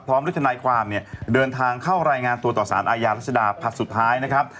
พร้อมด้วยทนายความเนี่ยเดินทางเข้ารายงานตัวต่อสารอาญารัชดาผลัดสุดท้ายนะครับ